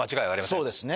はいそうですね